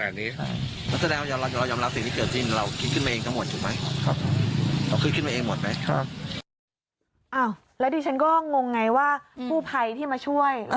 แล้วดิฉันก็งงไงว่ากู้ภัยที่มาช่วย